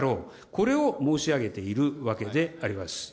これを申し上げているわけであります。